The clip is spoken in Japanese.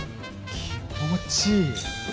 気持ちいい。